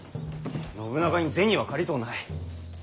信長に銭は借りとうない。